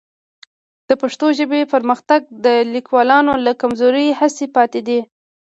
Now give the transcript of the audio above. د پښتو ژبې پرمختګ د لیکوالانو له کمزورې هڅې پاتې دی.